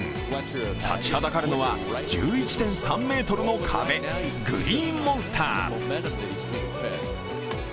立ちはだかるのは１１．３ｍの壁、グリーンモンスター。